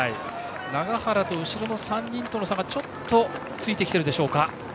永原と後ろの３人の差が少しついてきているでしょうか。